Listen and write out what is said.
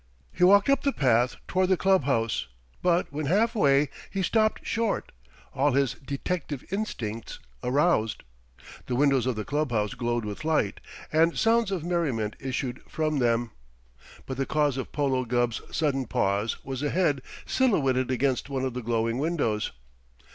He walked up the path toward the club house, but when halfway, he stopped short, all his detective instincts aroused. The windows of the club house glowed with light, and sounds of merriment issued from them, but the cause of Philo Gubb's sudden pause was a head silhouetted against one of the glowing windows.